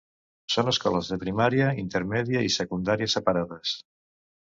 Son escoles de primària, intermèdia i secundària separades.